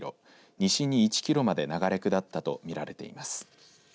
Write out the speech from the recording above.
西に１キロまで流れ下ったとみられています。